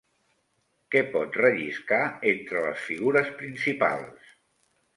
Què pot relliscar entre les figures principals?